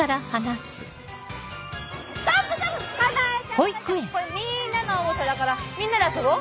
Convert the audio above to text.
これみんなのおもちゃだからみんなで遊ぼう。